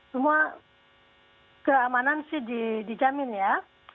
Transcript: semua keamanan sih dijamin ya